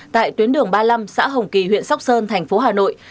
tại tuyến đường ba mươi năm xã hồng kỳ huyện sóc sơn tp hà nội